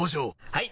はい！